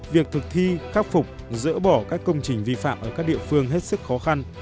việc thực thi khắc phục dỡ bỏ các công trình vi phạm ở các địa phương hết sức khó khăn